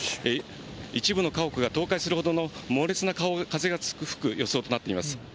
一部の家屋が倒壊するほどの猛烈な風が吹く予想となっています。